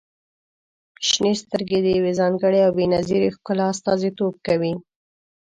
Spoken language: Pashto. • شنې سترګې د يوې ځانګړې او بې نظیرې ښکلا استازیتوب کوي.